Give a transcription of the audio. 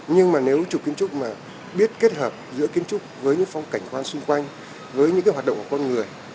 nhưng mà nếu chụp kiến trúc mà biết kết hợp giữa kiến trúc với những phong cảnh quan xung quanh với những cái hoạt động của con người